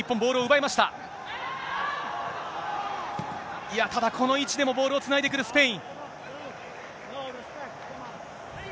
いや、ただ、この位置でもボールをつないでくるスペイン。